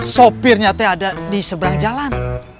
sopirnya itu ada di seberang jalan